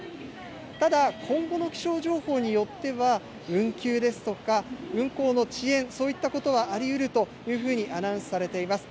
ただ、今後の気象情報によっては、運休ですとか、運行の遅延、そういったことはありうるというふうにアナウンスされています。